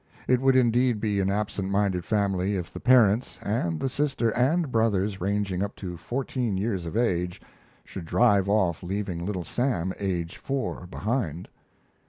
It would indeed be an absent minded family if the parents, and the sister and brothers ranging up to fourteen years of age, should drive off leaving Little Sam, age four, behind.